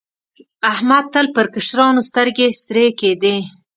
احمد تل پر کشرانو سترګې سرې کېدې.